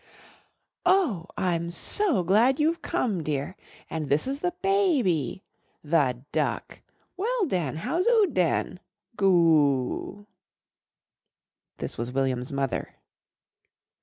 "Oh! I'm so glad you've come, dear. And is this the baby! The duck! Well, den, how's 'oo, den? Go o oo." This was William's mother.